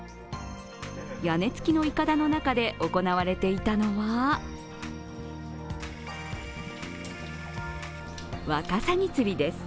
屋根つきのいかだの中で行われていたのはワカサギ釣りです。